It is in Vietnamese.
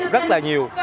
rất là nhiều